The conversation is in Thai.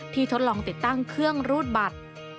ทดลองติดตั้งเครื่องรูดบัตร